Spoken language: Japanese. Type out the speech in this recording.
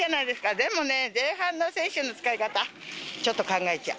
でもね、前半の選手の使い方、ちょっと考えちゃう。